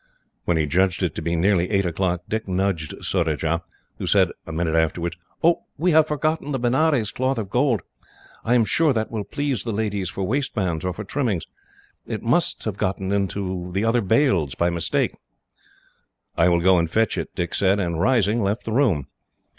When he judged it to be nearly eight o'clock, Dick nudged Surajah, who said, a minute afterwards: "We have forgotten the Benares cloth of gold. I am sure that will please the ladies for waist bands, or for trimmings. It must have got into the other bales, by mistake." "I will go and fetch it," Dick said, and, rising, left the room.